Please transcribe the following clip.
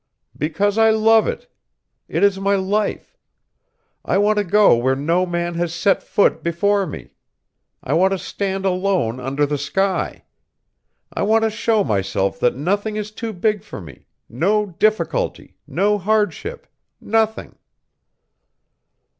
"Because I love it. It is my life. I want to go where no man has set foot before me; I want to stand alone under the sky; I want to show myself that nothing is too big for me no difficulty, no hardship nothing!"